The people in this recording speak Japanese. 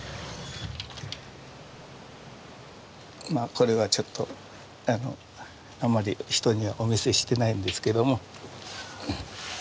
これはちょっとあまり人にはお見せしてないんですけども。